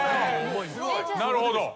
なるほど。